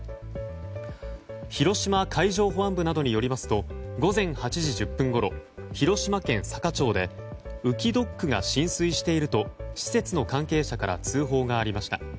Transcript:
広島海上保安部などによりますと午前８時１０分ごろ広島県坂町で浮きドックが浸水していると施設の関係者から通報がありました。